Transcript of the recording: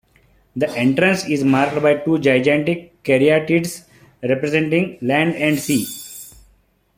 The entrance is marked by two gigantic caryatids representing "Land" and "Sea".